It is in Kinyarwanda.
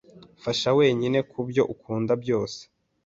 Fasha wenyine kubyo ukunda byose.